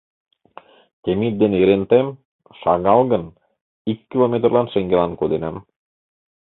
Темит ден Ерентем, шагал гын, ик километрлан шеҥгелан коденам.